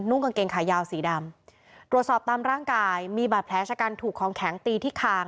กางเกงขายาวสีดำตรวจสอบตามร่างกายมีบาดแผลชะกันถูกของแข็งตีที่คาง